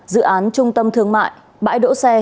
dự án trung tâm thương mại bãi đỗ xe